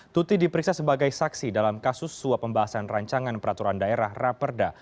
tuti diperiksa sebagai saksi dalam kasus suap pembahasan rancangan peraturan daerah raperda